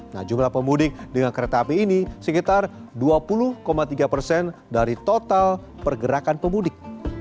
nah jumlah pemudik dengan kereta api ini sekitar dua puluh tiga dari total pergerakan pemudik